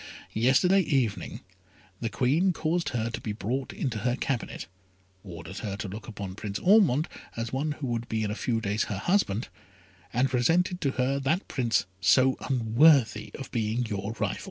Yesterday evening the Queen caused her to be brought into her cabinet, ordered her to look upon Prince Ormond as one who would be in a few days her husband, and presented to her that Prince so unworthy of being your rival.